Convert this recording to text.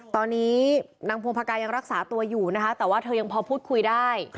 ตอนนี้นางพงภากายังรักษาตัวอยู่นะคะแต่ว่าเธอยังพอพูดคุยได้